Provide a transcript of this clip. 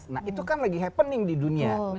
nah itu kan lagi happening di dunia